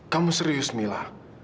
kamu serius mila